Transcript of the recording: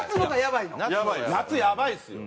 夏やばいですよ。